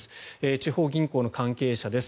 地方銀行の関係者です。